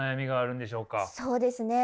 そうですね